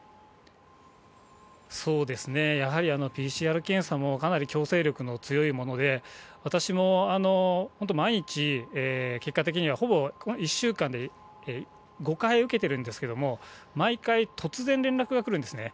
そうですね、やはりＰＣＲ検査も、かなり強制力の強いもので、私も本当、毎日、結果的にはほぼ１週間で５回受けてるんですけども、毎回、突然連絡が来るんですね。